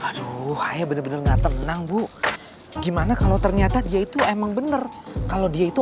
aduh ayah bener bener nggak tenang bu gimana kalau ternyata dia itu emang bener kalau dia itu